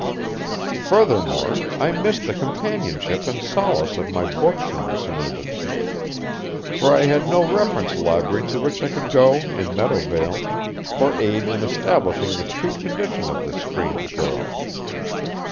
Furthermore I missed the companionship and solace of my books in this emergency, for I had no reference library to which I could go in Meadowvale for aid in establishing the true condition of this strange girl.